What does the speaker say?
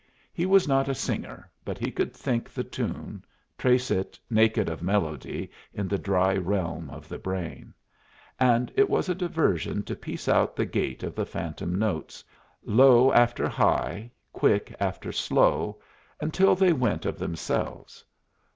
He was not a singer, but he could think the tune, trace it, naked of melody, in the dry realm of the brain. And it was a diversion to piece out the gait of the phantom notes, low after high, quick after slow, until they went of themselves.